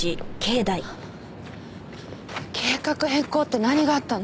計画変更って何があったの？